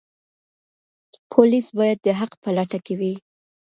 پولیس باید د حق په لټه کې وي.